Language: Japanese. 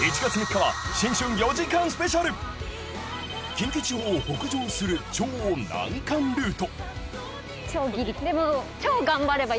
近畿地方を北上する超難関ルート。